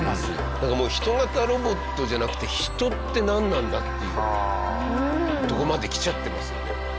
だからもうヒト型ロボットじゃなくて「ヒト」ってなんなんだ？っていうとこまできちゃってますよね。